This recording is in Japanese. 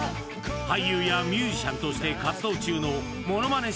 俳優やミュージシャンとして活動中のモノマネ